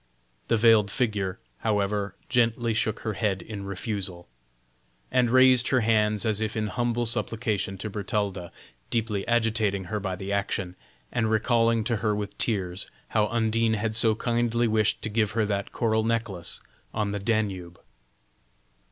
The veiled figure, however, gently shook her head in refusal, and raised her hands as if in humble supplication to Bertalda, deeply agitating her by the action, and recalling to her with tears how Undine had so kindly wished to give her that coral necklace on the Danube.